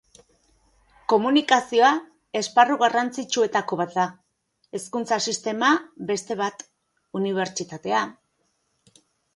Komunikazioa esparru garrantzitsuetako bat da, hezkuntza sistema beste bat, unibertsitatea...